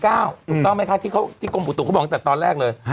ถูกต้องไหมคะที่กรมอุตุเขาบอกตั้งแต่ตอนแรกเลย